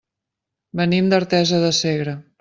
Venim d'Artesa de Segre.